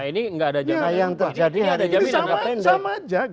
nah ini tidak ada jangka pendek